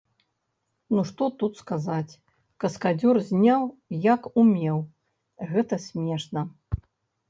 Ну што тут сказаць, каскадзёр зняў, як умеў, гэта смешна.